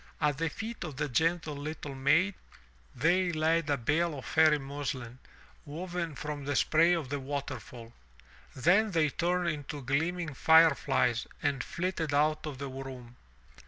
At the feet of the gentle little maid they laid a bale of fairy muslin, woven from the spray of the waterfall. Then they turned into gleaming fire flies and flitted out of the room.